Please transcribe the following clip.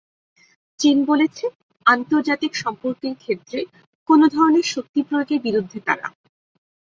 চীন বলেছে, আন্তর্জাতিক সম্পর্কের ক্ষেত্রে কোনো ধরনের শক্তি প্রয়োগের বিরুদ্ধে তারা।